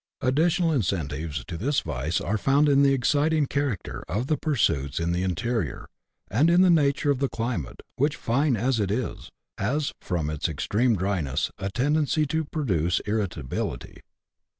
Additional incentives to this vice are found in the exciting character of the pursuits in the interior, and in the nature of the climate, which, fine as it is, has, from its extreme dryness, a tendency to produce irritability.